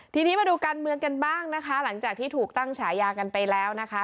ทีนี้มาดูการเมืองกันบ้างนะคะหลังจากที่ถูกตั้งฉายากันไปแล้วนะคะ